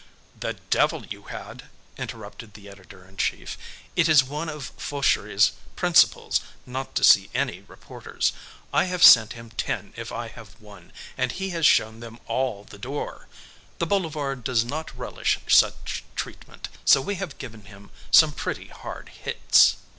"The devil you had!" interrupted the editor in chief. "It is one of Fauchery's principles not to see any reporters. I have sent him ten if I have one, and he has shown them all the door. The Boulevard does not relish such treatment, so we have given him some pretty hard hits."